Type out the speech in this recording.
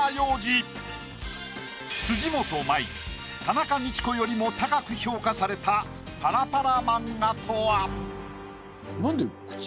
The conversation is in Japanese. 辻元舞田中道子よりも高く評価されたパラパラ漫画とは？